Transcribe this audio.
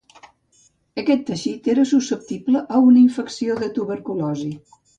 Aquest teixit era susceptible a una infecció de tuberculosi.